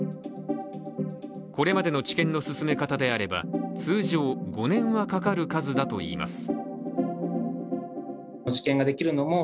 これまでの治験の進め方であれば通常５年はかかる数だといいます。